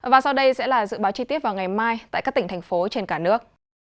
và sau đây sẽ là dự báo chi tiết vào ngày mai tại các tỉnh thành phố trên cả nước